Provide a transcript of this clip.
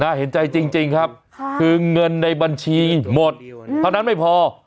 น่าเห็นใจจริงจริงครับค่ะคือเงินในบัญชีหมดเพราะฉะนั้นไม่พอ